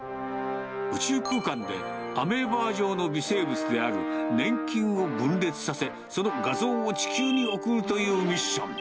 宇宙空間でアメーバ状の微生物である粘菌を分裂させ、画像を地球に送るというミッション。